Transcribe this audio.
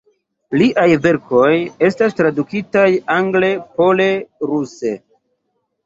Liaj verkoj estas tradukitaj angle, pole, ruse.